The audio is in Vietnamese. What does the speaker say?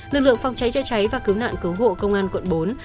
lực lượng phòng cháy chữa cháy và cứu nạn cứu hộ công an quận bốn